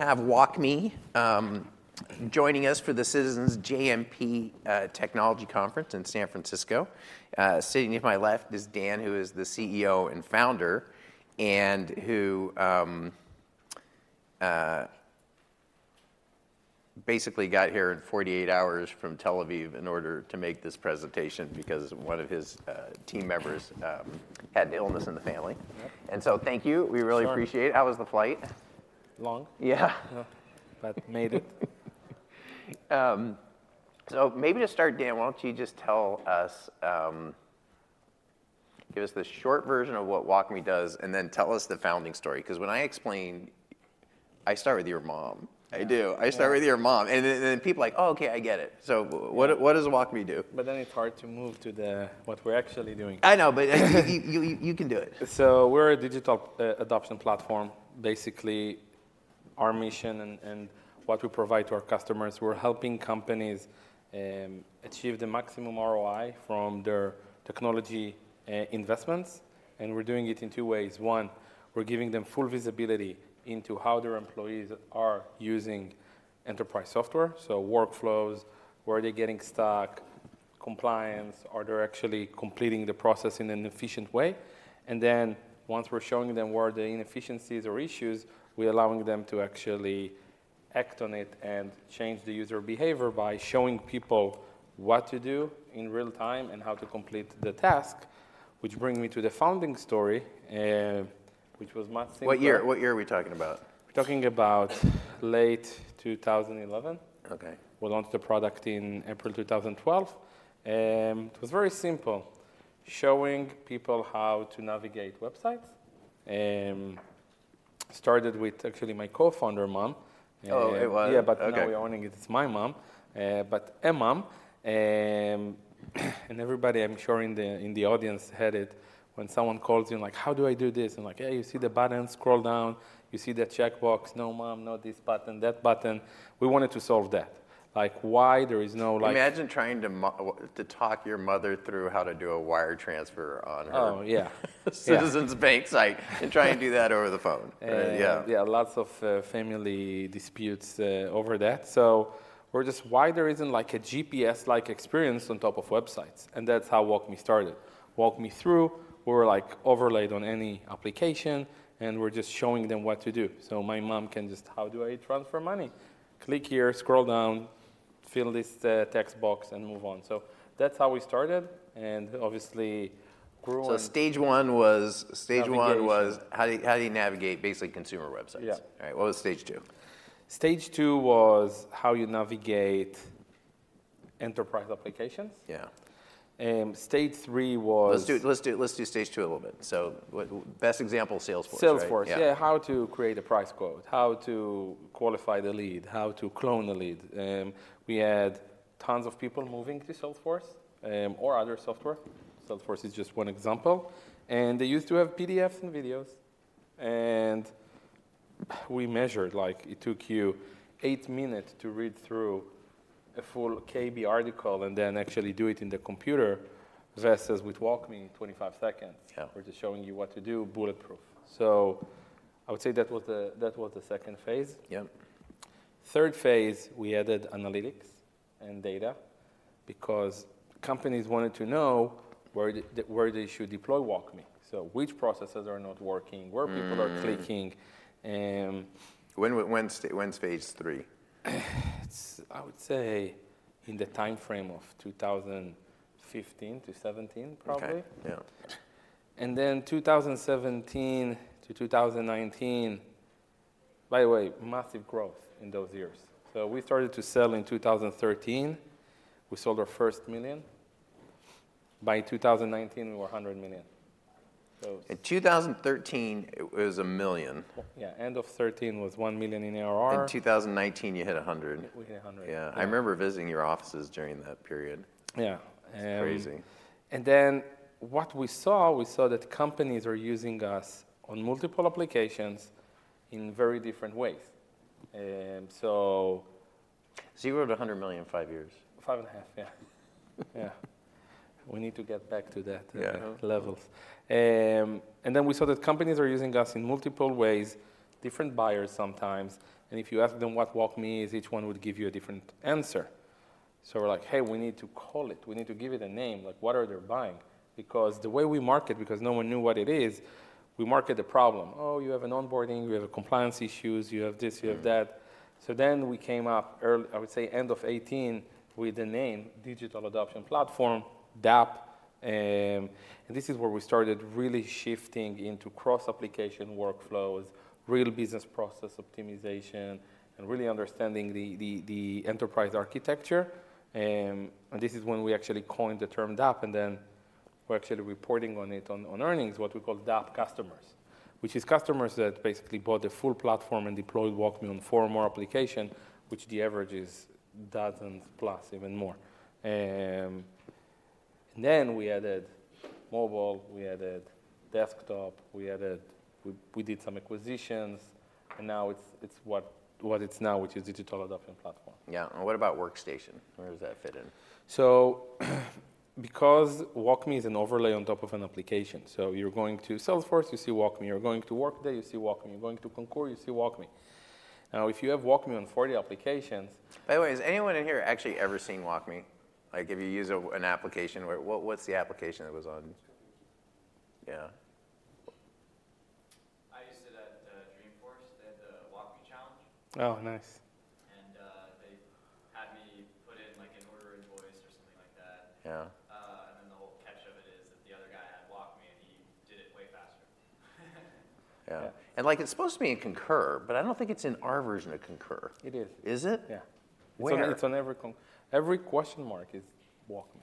Have WalkMe joining us for the Citizens JMP Technology Conference in San Francisco. Sitting to my left is Dan, who is the CEO and founder and who basically got here in 48 hours from Tel Aviv in order to make this presentation because one of his team members had an illness in the family. And so thank you. We really appreciate it. How was the flight? Long. Yeah. But made it. So maybe to start, Dan, why don't you just give us the short version of what WalkMe does and then tell us the founding story? Because when I explain, I start with your mom. I do. I start with your mom. And then people are like, "Oh, OK, I get it." So what does WalkMe do? But then it's hard to move to what we're actually doing. I know, but you can do it. So we're a digital adoption platform. Basically, our mission and what we provide to our customers, we're helping companies achieve the maximum ROI from their technology investments. And we're doing it in two ways. One, we're giving them full visibility into how their employees are using enterprise software, so workflows, where are they getting stuck, compliance, are they actually completing the process in an efficient way. And then once we're showing them where the inefficiencies or issues, we're allowing them to actually act on it and change the user behavior by showing people what to do in real time and how to complete the task, which brings me to the founding story, which was much simpler. What year are we talking about? We're talking about late 2011. We launched the product in April 2012. It was very simple, showing people how to navigate websites. Started with actually my co-founder, Mom. Oh, it was? Yeah, but now we're owning it. It's my mom, but a mom. And everybody, I'm sure in the audience had it, when someone calls you and like, "How do I do this?" And like, "Hey, you see the button? Scroll down. You see the checkbox? No, Mom. Not this button. That button." We wanted to solve that, like why there is no. Imagine trying to talk your mother through how to do a wire transfer on her Citizens Bank site and try and do that over the phone. Yeah, lots of family disputes over that. So we're just why there isn't a GPS-like experience on top of websites. And that's how WalkMe started. WalkMe through, we were overlaid on any application, and we're just showing them what to do. So my mom can just, "How do I transfer money? Click here. Scroll down. Fill this text box and move on." So that's how we started and obviously grew on. So stage one was how do you navigate basically consumer websites? Yeah. All right. What was stage two? Stage two was how you navigate enterprise applications. Yeah, and stage three was. Let's do stage two a little bit. So best example, Salesforce. Salesforce, yeah. How to create a price quote, how to qualify the lead, how to clone the lead. We had tons of people moving to Salesforce or other software. Salesforce is just one example. They used to have PDFs and videos. We measured it took you 8 minutes to read through a full KB article and then actually do it in the computer versus with WalkMe in 25 seconds. We're just showing you what to do, bulletproof. I would say that was the second phase. Third phase, we added analytics and data because companies wanted to know where they should deploy WalkMe, so which processes are not working, where people are clicking. When's stage three? I would say in the time frame of 2015-2017, probably. And then 2017-2019, by the way, massive growth in those years. So we started to sell in 2013. We sold our first $1 million. By 2019, we were $100 million. In 2013, it was $1 million. Yeah, end of 2013 was $1 million in ARR. In 2019, you hit 100. We hit 100. Yeah, I remember visiting your offices during that period. Yeah. It's crazy. And then what we saw, we saw that companies are using us on multiple applications in very different ways. 0 to $100 million in 5 years. 5.5, yeah. Yeah, we need to get back to that level. Then we saw that companies are using us in multiple ways, different buyers sometimes. And if you ask them what WalkMe is, each one would give you a different answer. So we're like, hey, we need to call it. We need to give it a name. What are they buying? Because the way we market, because no one knew what it is, we market the problem. Oh, you have an onboarding. You have compliance issues. You have this. You have that. So then we came up, I would say, end of 2018 with the name Digital Adoption Platform, DAP. And this is where we started really shifting into cross-application workflows, real business process optimization, and really understanding the enterprise architecture. And this is when we actually coined the term DAP. And then we're actually reporting on it on earnings, what we call DAP customers, which is customers that basically bought the full platform and deployed WalkMe on four more applications, which the average is dozens plus, even more. And then we added mobile. We added desktop. We did some acquisitions. And now it's what it is now, which is Digital Adoption Platform. Yeah, and what about Workstation? Where does that fit in? So because WalkMe is an overlay on top of an application, so you're going to Salesforce, you see WalkMe. You're going to Workday, you see WalkMe. You're going to Concur, you see WalkMe. Now, if you have WalkMe on 40 applications. By the way, has anyone in here actually ever seen WalkMe? If you use an application, what's the application that was on? Yeah. I used it at Dreamforce. They had the WalkMe Challenge. Oh, nice. They had me put in an order invoice or something like that. Then the whole catch of it is that the other guy had WalkMe, and he did it way faster. Yeah, and it's supposed to be in Concur, but I don't think it's in our version of Concur. It is. Is it? Yeah. Every question mark is WalkMe.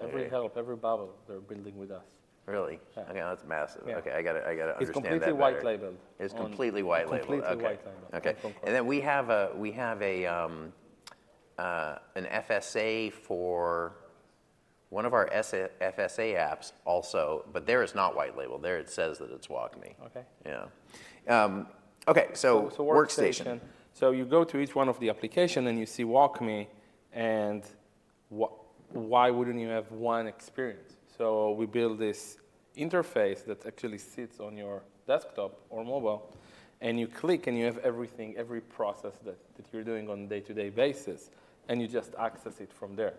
Every help, every bubble, they're building with us. Really? OK, that's massive. OK, I got to understand that. It's completely white-labeled. It's completely white-labeled. Completely white-labeled. OK, and then we have an FSA for one of our FSA apps also, but there it's not white-labeled. There it says that it's WalkMe. OK. Yeah, OK, so Workstation. So you go to each one of the applications, and you see WalkMe. And why wouldn't you have one experience? So we build this interface that actually sits on your desktop or mobile. And you click, and you have everything, every process that you're doing on a day-to-day basis. And you just access it from there.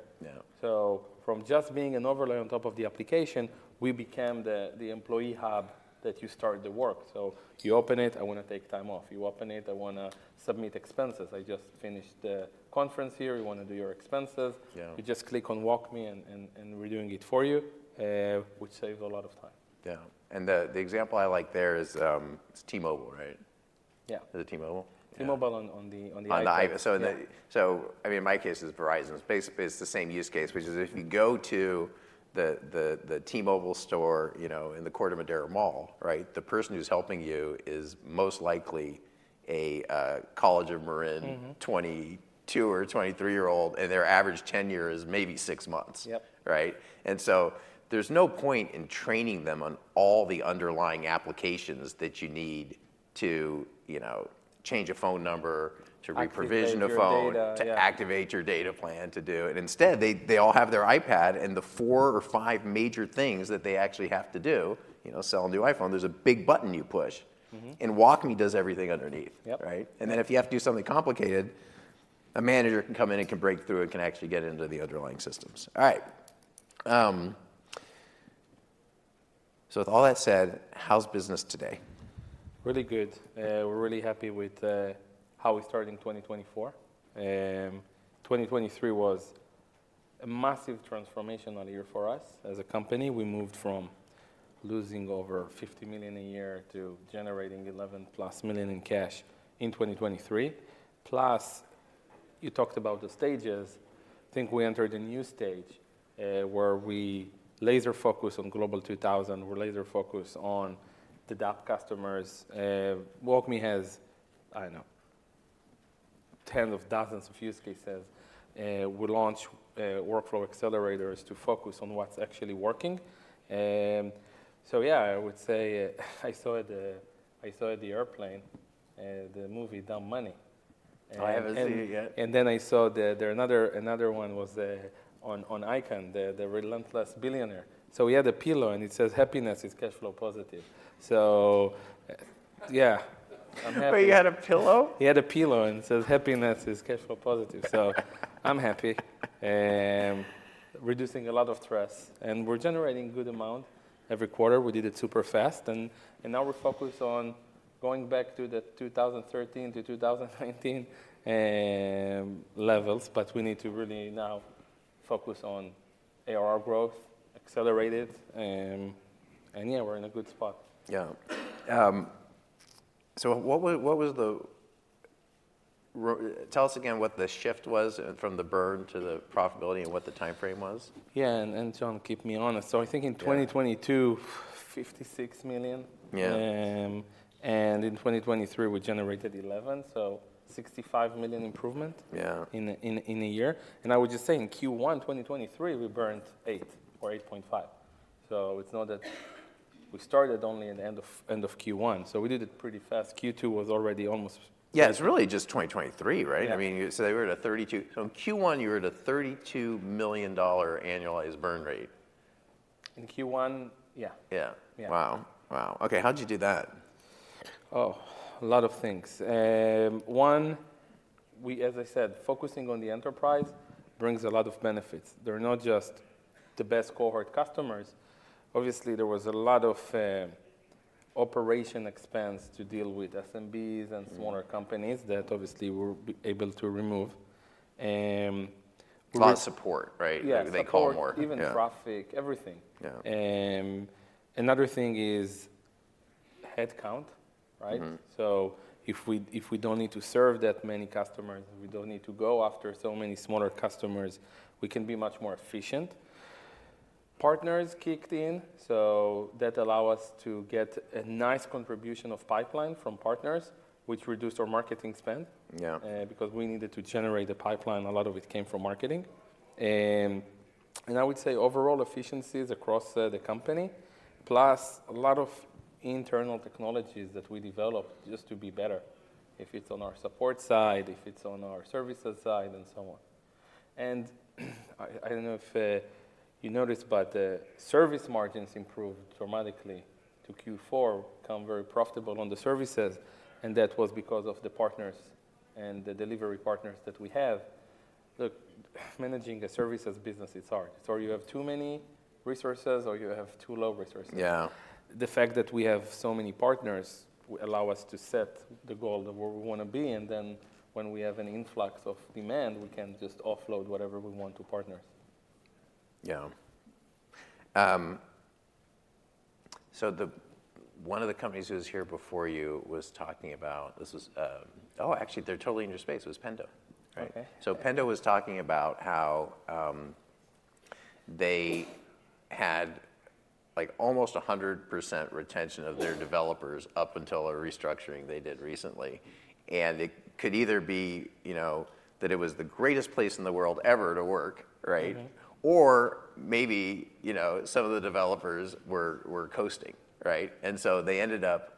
So from just being an overlay on top of the application, we became the employee hub that you start the work. So you open it. I want to take time off. You open it. I want to submit expenses. I just finished the conference here. You want to do your expenses. You just click on WalkMe, and we're doing it for you, which saves a lot of time. Yeah, and the example I like there is T-Mobile, right? Yeah. Is it T-Mobile? T-Mobile on the iPad. So I mean, in my case, it's Verizon. It's basically the same use case, which is if you go to the T-Mobile store in the Corte Madera Mall, the person who's helping you is most likely a College of Marin 22 or 23-year-old, and their average tenure is maybe six months. And so there's no point in training them on all the underlying applications that you need to change a phone number, to re-provision a phone, to activate your data plan, to do it. And instead, they all have their iPad. And the four or five major things that they actually have to do, sell a new iPhone, there's a big button you push. And WalkMe does everything underneath. And then if you have to do something complicated, a manager can come in and can break through and can actually get into the underlying systems. All right, so with all that said, how's business today? Really good. We're really happy with how we started in 2024. 2023 was a massive transformational year for us as a company. We moved from losing over $50 million a year to generating $11+ million in cash in 2023. Plus, you talked about the stages. I think we entered a new stage where we laser-focus on Global 2000. We're laser-focused on the DAP customers. WalkMe has, I don't know, tens of dozens of use cases. We launched Workflow Accelerators to focus on what's actually working. So yeah, I would say I saw it in the airplane, the movie Dumb Money. I haven't seen it yet. Then I saw there another one was on Icahn: The Restless Billionaire. We had a pillow, and it says, "Happiness is cash flow positive." Yeah, I'm happy. But you had a pillow? He had a pillow, and it says, "Happiness is cash flow positive." So I'm happy, reducing a lot of stress. And we're generating a good amount every quarter. We did it super fast. And now we're focused on going back to the 2013 to 2019 levels. But we need to really now focus on ARR growth, accelerate it. And yeah, we're in a good spot. Yeah, so tell us again what the shift was from the burn to the profitability and what the time frame was? Yeah, and John, keep me honest. So I think in 2022, $56 million. And in 2023, we generated $11 million, so $65 million improvement in a year. And I would just say in Q1 2023, we burned $8 or $8.5. So it's not that we started only at the end of Q1. So we did it pretty fast. Q2 was already almost. Yeah, it's really just 2023, right? I mean, so they were at a $32, so in Q1, you were at a $32 million annualized burn rate. In Q1, yeah. Yeah, wow, wow. OK, how'd you do that? Oh, a lot of things. One, as I said, focusing on the enterprise brings a lot of benefits. They're not just the best cohort customers. Obviously, there was a lot of operating expense to deal with SMBs and smaller companies that obviously we were able to remove. A lot of support, right? They call more. Yeah, support, even traffic, everything. Another thing is headcount. So if we don't need to serve that many customers, we don't need to go after so many smaller customers, we can be much more efficient. Partners kicked in. So that allowed us to get a nice contribution of pipeline from partners, which reduced our marketing spend because we needed to generate the pipeline. A lot of it came from marketing. I would say overall efficiencies across the company, plus a lot of internal technologies that we developed just to be better, if it's on our support side, if it's on our services side, and so on. I don't know if you noticed, but service margins improved dramatically to Q4, become very profitable on the services. That was because of the partners and the delivery partners that we have. Look, managing a service as a business, it's hard. It's or you have too many resources or you have too low resources. The fact that we have so many partners allowed us to set the goal of where we want to be. And then when we have an influx of demand, we can just offload whatever we want to partners. Yeah, so one of the companies who was here before you was talking about this was oh, actually, they're totally in your space. It was Pendo. So Pendo was talking about how they had almost 100% retention of their developers up until a restructuring they did recently. And it could either be that it was the greatest place in the world ever to work, or maybe some of the developers were coasting. And so they ended up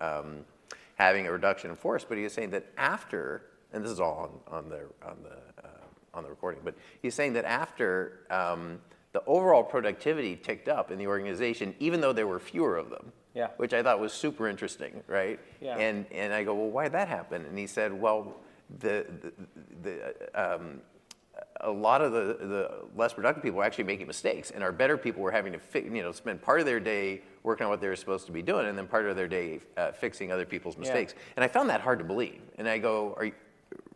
having a reduction in force. But he was saying that after, and this is all on the recording. But he's saying that after the overall productivity ticked up in the organization, even though there were fewer of them, which I thought was super interesting, and I go, well, why did that happen? And he said, well, a lot of the less productive people were actually making mistakes. Our better people were having to spend part of their day working on what they were supposed to be doing and then part of their day fixing other people's mistakes. I found that hard to believe. I go,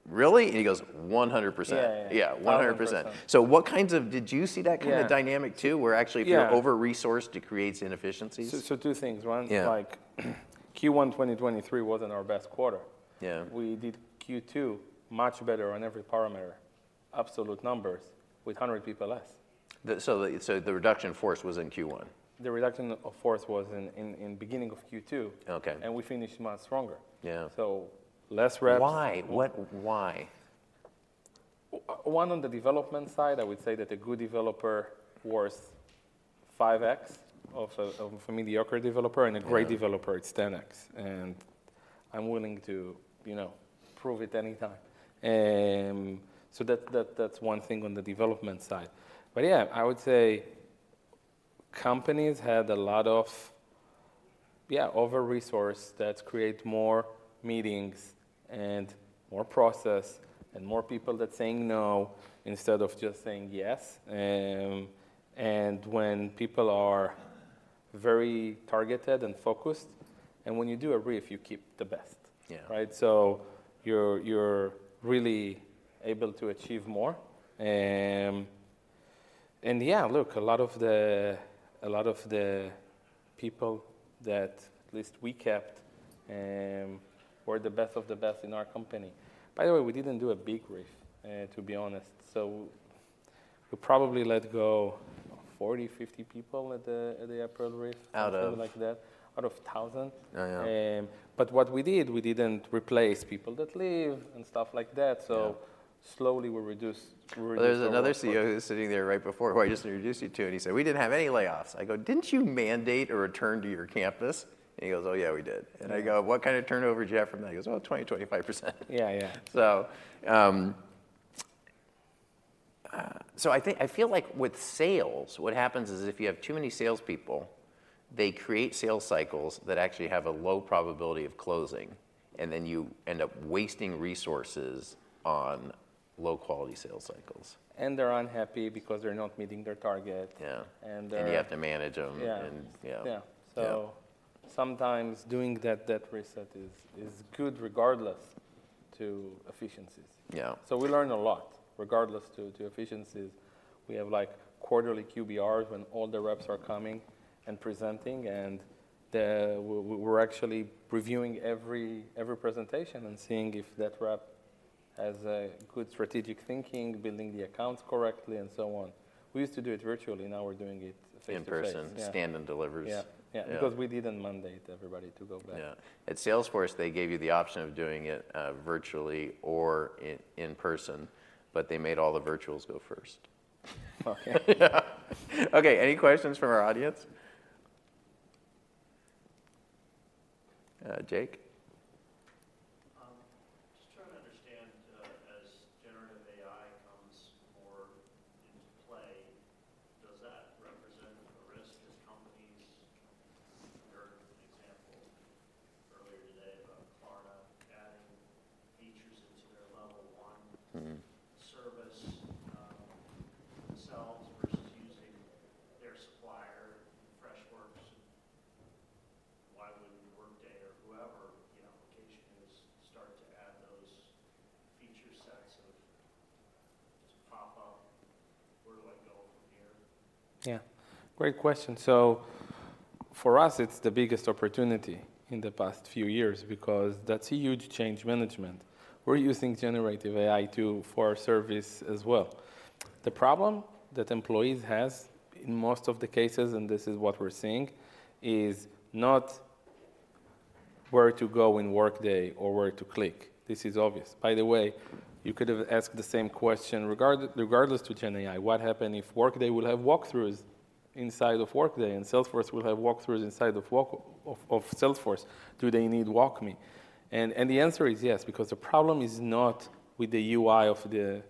really? He goes, 100%. Yeah, 100%. So what kinds of did you see that kind of dynamic, too, where actually if you're over-resourced, it creates inefficiencies? Two things. One, Q1 2023 wasn't our best quarter. We did Q2 much better on every parameter, absolute numbers, with 100 people less. The reduction in force was in Q1. The reduction of force was in the beginning of Q2. We finished much stronger, so less reps. Why? Why? One, on the development side, I would say that a good developer worth 5x of a mediocre developer. And a great developer, it's 10x. And I'm willing to prove it anytime. So that's one thing on the development side. But yeah, I would say companies had a lot of over-resourced that creates more meetings and more process and more people that's saying no instead of just saying yes. And when people are very targeted and focused, and when you do a brief, you keep the best. So you're really able to achieve more. And yeah, look, a lot of the people that at least we kept were the best of the best in our company. By the way, we didn't do a big brief, to be honest. So we probably let go 40, 50 people at the April brief, something like that, out of 1,000. What we did, we didn't replace people that leave and stuff like that. Slowly, we reduced. There was another CEO who was sitting there right before who I just introduced you to. He said, "We didn't have any layoffs." I go, "Didn't you mandate a return to your campus?" He goes, "Oh, yeah, we did." I go, "What kind of turnover did you have from that?" He goes, "Oh, 20%, 25%. Yeah, yeah. I feel like with sales, what happens is if you have too many salespeople, they create sales cycles that actually have a low probability of closing. Then you end up wasting resources on low-quality sales cycles. They're unhappy because they're not meeting their target. Yeah, and you have to manage them. Yeah, yeah, so sometimes doing that reset is good regardless to efficiencies. So we learn a lot regardless to efficiencies. We have quarterly QBRs when all the reps are coming and presenting. We're actually reviewing every presentation and seeing if that rep has good strategic thinking, building the accounts correctly, and so on. We used to do it virtually. Now we're doing it face-to-face. In person, stand and delivers. Yeah, yeah, because we didn't mandate everybody to go back. Yeah, at Salesforce, they gave you the option of doing it virtually or in person. But they made all the virtuals go first. OK. OK, any questions from our audience? Jake? Just trying to understand, as Generative AI comes more into play, does that represent a risk as companies you heard an example earlier today about Klarna adding features into their Level 1 service themselves versus using their supplier, Freshworks? Why wouldn't Workday or whoever the application is start to add those feature sets to pop up? Where do I go from here? Yeah, great question. So for us, it's the biggest opportunity in the past few years because that's a huge change management. We're using generative AI for our service as well. The problem that employees have in most of the cases, and this is what we're seeing, is not where to go in Workday or where to click. This is obvious. By the way, you could have asked the same question regardless to GenAI. What happened if Workday will have walkthroughs inside of Workday and Salesforce will have walkthroughs inside of Salesforce? Do they need WalkMe? And the answer is yes, because the problem is not with the UI of the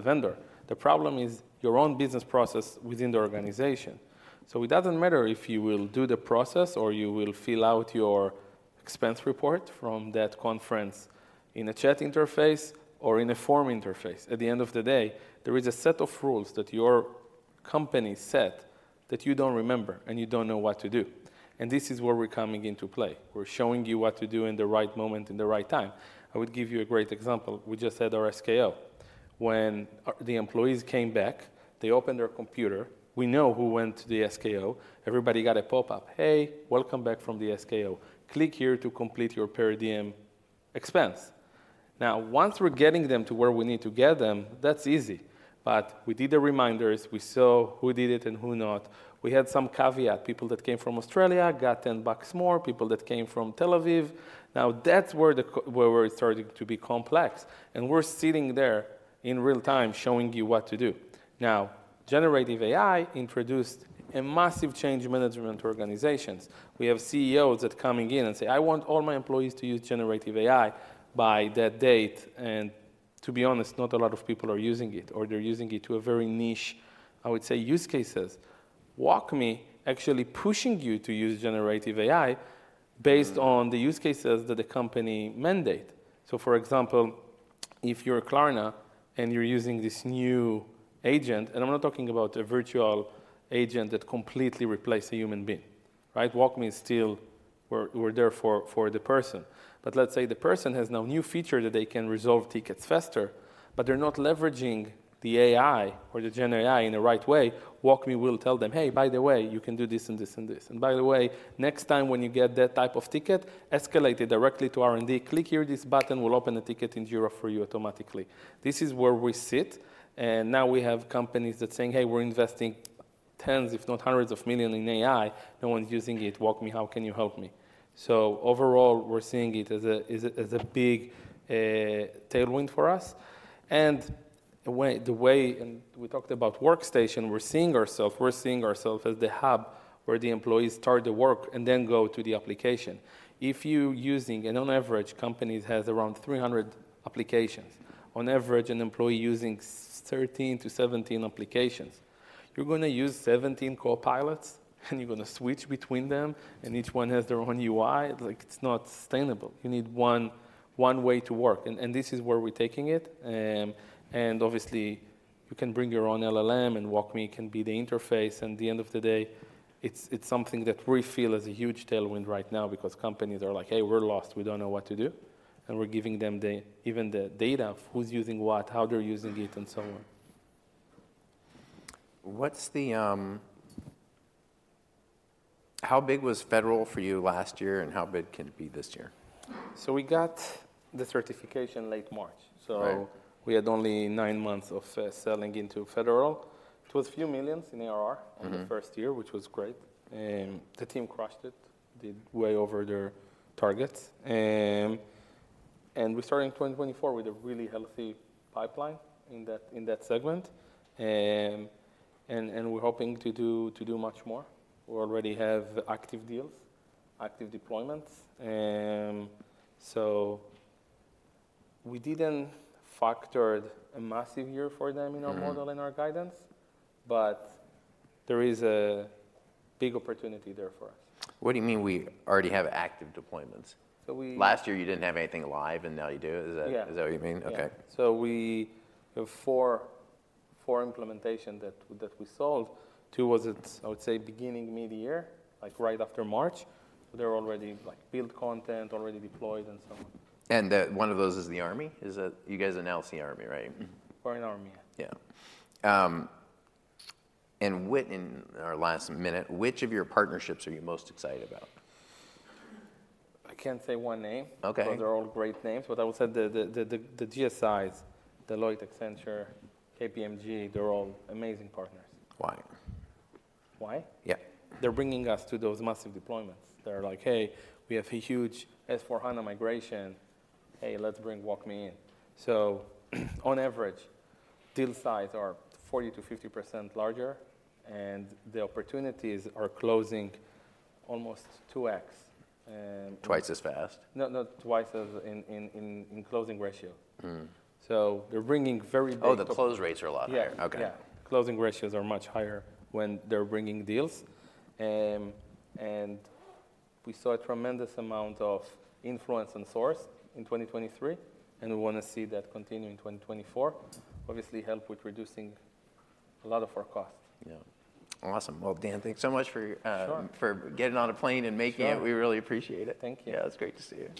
vendor. The problem is your own business process within the organization. So it doesn't matter if you will do the process or you will fill out your expense report from that conference in a chat interface or in a form interface. At the end of the day, there is a set of rules that your company set that you don't remember, and you don't know what to do. And this is where we're coming into play. We're showing you what to do in the right moment in the right time. I would give you a great example. We just had our SKO. When the employees came back, they opened their computer. We know who went to the SKO. Everybody got a pop-up, hey, welcome back from the SKO. Click here to complete your per diem expense. Now, once we're getting them to where we need to get them, that's easy. But we did the reminders. We saw who did it and who didn't. We had some caveat. People that came from Australia got $10 more. People that came from Tel Aviv. Now, that's where it started to be complex. And we're sitting there in real time showing you what to do. Now, Generative AI introduced a massive change management to organizations. We have CEOs that are coming in and say, "I want all my employees to use Generative AI by that date." And to be honest, not a lot of people are using it, or they're using it to a very niche, I would say, use cases. WalkMe is actually pushing you to use Generative AI based on the use cases that the company mandates. So for example, if you're Klarna and you're using this new agent and I'm not talking about a virtual agent that completely replaced a human being. WalkMe is still. We're there for the person. But let's say the person has now a new feature that they can resolve tickets faster. But they're not leveraging the AI or the GenAI in the right way. WalkMe will tell them, hey, by the way, you can do this and this and this. And by the way, next time when you get that type of ticket, escalate it directly to R&D. Click here. This button will open a ticket in Jira for you automatically. This is where we sit. And now we have companies that are saying, hey, we're investing $10s, if not $100s of millions in AI. No one's using it. WalkMe, how can you help me? So overall, we're seeing it as a big tailwind for us. And the way we talked about Workstation, we're seeing ourselves as the hub where the employees start the work and then go to the application. If you're using, and on average, companies have around 300 applications. On average, an employee uses 13-17 applications. You're going to use 17 copilots, and you're going to switch between them. And each one has their own UI. It's not sustainable. You need one way to work. And this is where we're taking it. And obviously, you can bring your own LLM. And WalkMe can be the interface. And at the end of the day, it's something that we feel is a huge tailwind right now because companies are like, hey, we're lost. We don't know what to do. And we're giving them even the data of who's using what, how they're using it, and so on. How big was federal for you last year? How big can it be this year? So we got the certification late March. So we had only 9 months of selling into federal. It was $ a few million in ARR in the first year, which was great. The team crushed it, did way over their targets. And we started in 2024 with a really healthy pipeline in that segment. And we're hoping to do much more. We already have active deals, active deployments. So we didn't factor a massive year for them in our model and our guidance. But there is a big opportunity there for us. What do you mean we already have active deployments? Last year, you didn't have anything live. And now you do. Is that what you mean? Yeah, so we have 4 implementations that we solved. Two was, I would say, beginning mid-year, right after March. They're already built content, already deployed, and so on. One of those is the Army. You guys announced the Army, right? We're in Army, yeah. Yeah, and in our last minute, which of your partnerships are you most excited about? I can't say one name. Those are all great names. But I would say the GSIs, Deloitte, Accenture, KPMG, they're all amazing partners. Why? Why? Yeah. They're bringing us to those massive deployments. They're like, hey, we have a huge S/4HANA migration. Hey, let's bring WalkMe in. So on average, deal size are 40%-50% larger. And the opportunities are closing almost 2x. Twice as fast? No, not twice as in closing ratio. So they're bringing very big deals. Oh, the close rates are a lot higher. Yeah, yeah, closing ratios are much higher when they're bringing deals. We saw a tremendous amount of influence on source in 2023. We want to see that continue in 2024, obviously help with reducing a lot of our costs. Yeah, awesome. Well, Dan, thanks so much for getting on a plane and making it. We really appreciate it. Thank you. Yeah, it's great to see you.